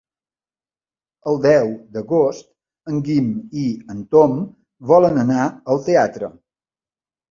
El deu d'agost en Guim i en Tom volen anar al teatre.